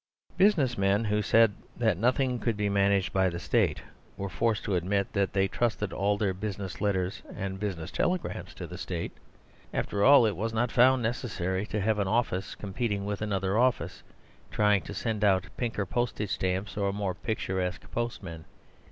Business men who said that nothing could be managed by the State were forced to admit that they trusted all their business letters and business telegrams to the State. After all, it was not found necessary to have an office competing with another office, trying to send out pinker postage stamps or more picturesque postmen.